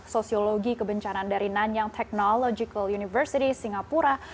sosiologi kebencanaan dari nanyang technological university singapura